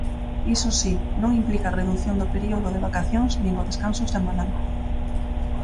Iso si, non implica a redución do período de vacacións nin o descanso semanal.